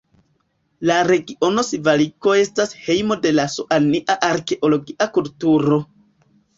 La regiono Sivaliko estas hejmo de la Soania arkeologia kulturo.